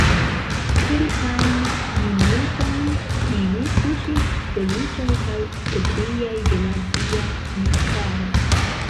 Kelkajn minutojn ili kuŝis feliĉaj kaj ebriaj de la dia nektaro.